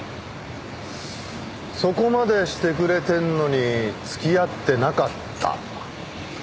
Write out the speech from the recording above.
そこまでしてくれてるのに付き合ってなかった。